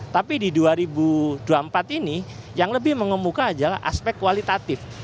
tapi di dua ribu dua puluh empat ini yang lebih mengemuka adalah aspek kualitatif